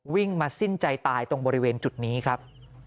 วิ่งมาสิ้นใจตายตรงบริเวณจุดนี้ครับ